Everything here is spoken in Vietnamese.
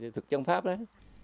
thuật chống pháp đấy